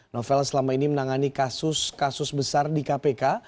novel selama ini menangani kasus kasus besar di kpk